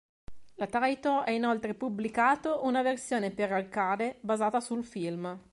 La Taito ha inoltre pubblicato una versione per arcade basata sul film.